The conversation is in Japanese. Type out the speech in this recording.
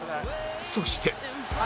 そして